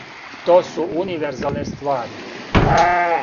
То су универзалне ствари.